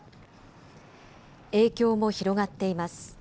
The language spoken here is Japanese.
影響も広がっています。